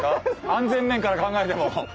安全面から考えても。